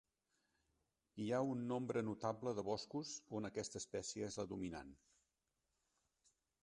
Hi ha un nombre notable de boscos on aquesta espècie és la dominant.